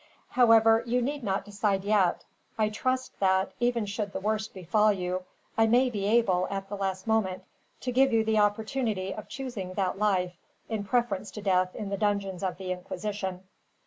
"However, you need not decide, yet. I trust that, even should the worst befall you, I may be able, at the last moment, to give you the opportunity of choosing that life, in preference to death in the dungeons of the Inquisition."